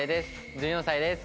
１４歳です。